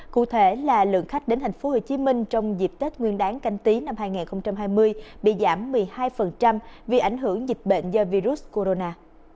cụ thể là lượng khách đến tp hcm trong dịp tết nguyên đáng canh tí năm hai nghìn hai mươi bị giảm một mươi hai vì ảnh hưởng dịch bệnh do virus corona